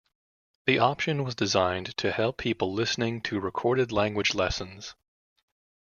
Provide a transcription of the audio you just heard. The option was designed to help people listening to recorded language lessons.